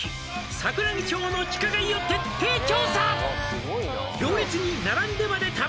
「桜木町の地下街を徹底調査」「行列に」